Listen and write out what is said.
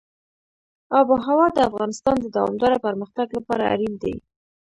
آب وهوا د افغانستان د دوامداره پرمختګ لپاره اړین دي.